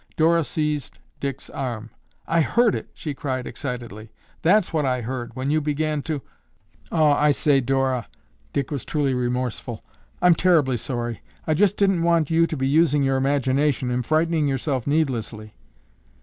Dora seized Dick's arm. "I heard it!" she cried excitedly. "That's what I heard when you began to—" "Aw, I say, Dora," Dick was truly remorseful, "I'm terribly sorry. I just didn't want you to be using your imagination and frightening yourself needlessly."